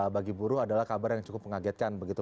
bagi buruh adalah kabar yang cukup mengagetkan begitu